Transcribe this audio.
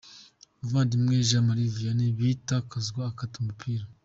Muvandimwe Jean Marie Vianney bita Kurzawa akata umupira